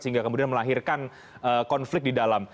sehingga kemudian melahirkan konflik di dalam